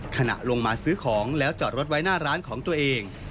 ขณะลงมาซื้อของแล้วจอดรถไว้หน้าร้านของตัวเอง